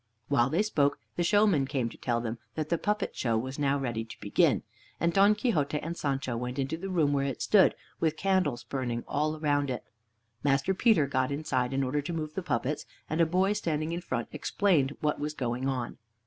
While they spoke, the showman came to tell them that the puppet show was now ready to begin, and Don Quixote and Sancho went into the room where it stood, with candles burning all round it. Master Peter got inside in order to move the puppets, and a boy standing in front explained what was going on.